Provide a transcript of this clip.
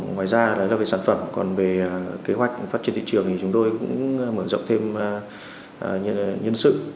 ngoài ra đấy là về sản phẩm còn về kế hoạch phát triển thị trường thì chúng tôi cũng mở rộng thêm nhân sự